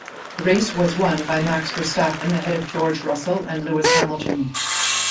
The race was won by Max Verstappen ahead of George Russell and Lewis Hamilton.